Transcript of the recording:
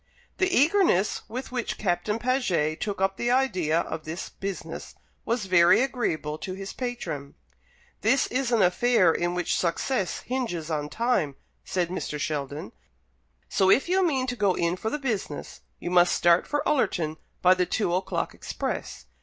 The eagerness with which Captain Paget took up the idea of this business was very agreeable to his patron. "This is an affair in which success hinges on time," said Mr. Sheldon; "so, if you mean to go in for the business, you must start for Ullerton by the two o'clock express.